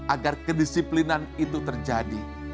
agar kedisiplinan itu terjadi